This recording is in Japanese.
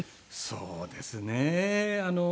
そうですね。